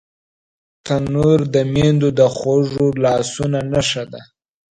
تنور د میندو د خوږو لاسونو نښه ده